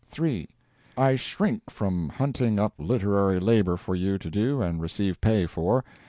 3. I shrink from hunting up literary labor for you to do and receive pay for.